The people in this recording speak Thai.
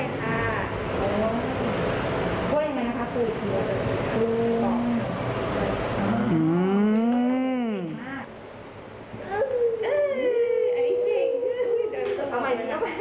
เอาอะไรดี